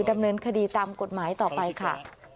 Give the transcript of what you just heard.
ดำเนินคดีตามกฎหมายต่อไปค่ะ